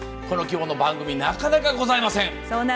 このきょうの番組なかなかございません。